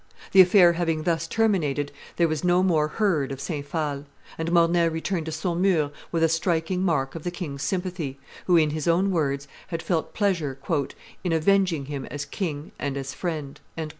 The affair having thus terminated, there was no more heard of Saint Phal, and Mornay returned to Saumur with a striking mark of the king's sympathy, who, in his own words, had felt pleasure "in avenging him as king and as friend."